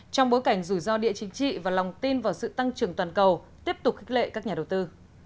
trong bối cảnh rủi ro địa chính trị và lòng tin vào sự tăng trưởng toàn cầu tiếp tục khích lệ các nhà đầu tư